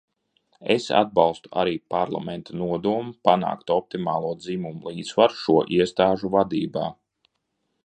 Es atbalstu arī Parlamenta nodomu panākt optimālo dzimumu līdzsvaru šo iestāžu vadībā.